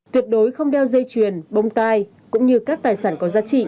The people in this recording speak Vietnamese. tuyệt đối không đeo dây chuyền bông tai cũng như các tài sản có giá trị